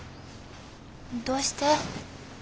どうして？